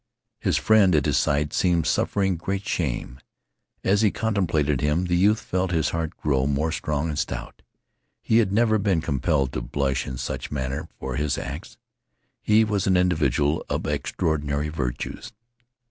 His friend at his side seemed suffering great shame. As he contemplated him, the youth felt his heart grow more strong and stout. He had never been compelled to blush in such manner for his acts; he was an individual of extraordinary virtues.